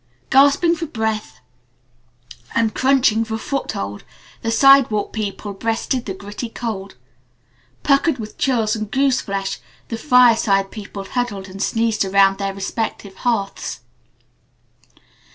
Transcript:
Gasping for breath and crunching for foothold the sidewalk people breasted the gritty cold. Puckered with chills and goose flesh, the fireside people huddled and sneezed around their respective hearths.